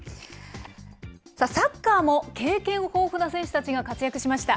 サッカーも経験豊富な選手たちが活躍しました。